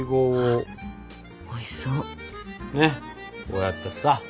こうやってさ。